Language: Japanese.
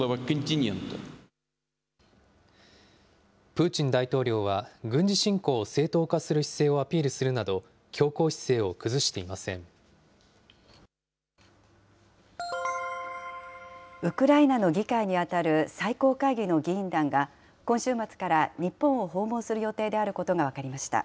プーチン大統領は、軍事侵攻を正当化する姿勢をアピールするなど、強硬姿勢を崩してウクライナの議会に当たる最高会議の議員団が、今週末から日本を訪問する予定であることが分